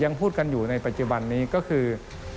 พูดกันอยู่ในปัจจุบันนี้ก็คือ